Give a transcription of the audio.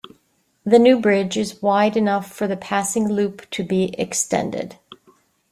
The new bridge is wide enough for the passing loop to be extended.